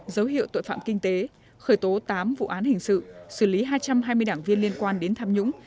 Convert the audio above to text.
dấu hiệu tội phạm kinh tế khởi tố tám vụ án hình sự xử lý hai trăm hai mươi đảng viên liên quan đến tham nhũng